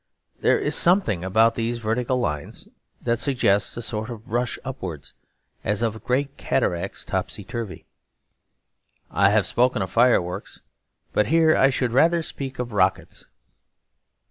There is something about these vertical lines that suggests a sort of rush upwards, as of great cataracts topsy turvy. I have spoken of fireworks, but here I should rather speak of rockets.